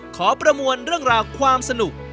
ขอประมวลเรื่องราวความสนุก